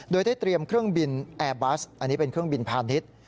โดยได้เตรียมเครื่องบินแอร์บัสอันนี้เป็นเครื่องบินพาณิชย์